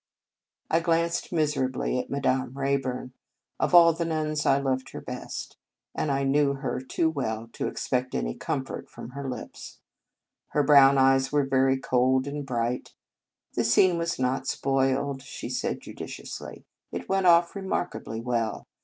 I glanced miserably at Madame Rayburn. Of all the nuns I loved her best; but I knew her too well to ex pect any comfort from her lips. Her brown eyes were very cold and bright. " The scene was not spoiled," she said judicially; "it went off remarkably well.